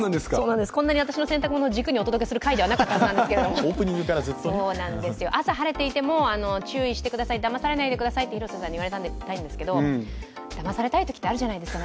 こんなに私の洗濯物を軸にお届けする回じゃなかったはずなんですけど、朝晴れていても、注意してくださいだまされないでくださいと広瀬さんに言われたんですけれどもだまされたいときってあるじゃないですか。